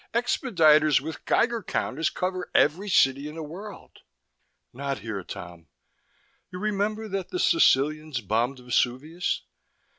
Expediters with Geiger counters cover every city in the world!" "Not here, Tom. You remember that the Sicilians bombed Vesuvius?